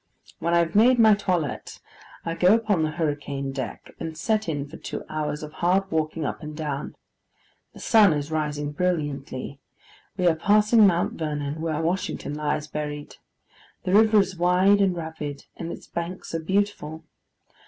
When I have made my toilet, I go upon the hurricane deck, and set in for two hours of hard walking up and down. The sun is rising brilliantly; we are passing Mount Vernon, where Washington lies buried; the river is wide and rapid; and its banks are beautiful.